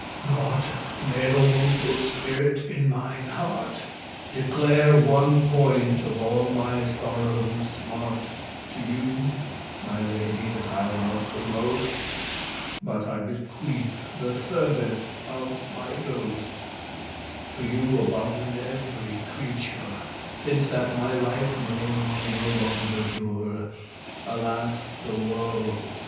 "Nought may the woful spirit in mine heart Declare one point of all my sorrows' smart To you, my lady, that I love the most: But I bequeath the service of my ghost To you aboven every creature, Since that my life ne may no longer dure. Alas the woe!